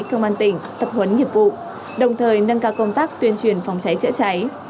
công an tỉnh tập huấn nghiệp vụ đồng thời nâng cao công tác tuyên truyền phòng cháy chữa cháy